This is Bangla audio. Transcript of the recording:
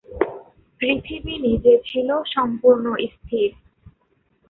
পৃথিবী নিজে ছিল সম্পূর্ণ স্থির।